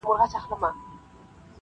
قلاګاني د بابا له ميراثونو-